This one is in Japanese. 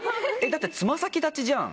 だって爪先立ちじゃん！